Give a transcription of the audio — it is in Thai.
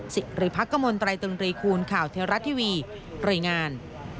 สิริพักกมลตรายตึงรีคูณข่าวเทวรัฐทีวีรายงาน